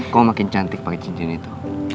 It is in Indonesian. kok makin cantik pakai cincin itu